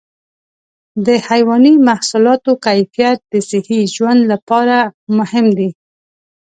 د حيواني محصولاتو کیفیت د صحي ژوند لپاره مهم دی.